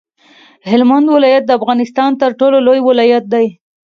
هلمند ولایت د افغانستان تر ټولو لوی ولایت دی.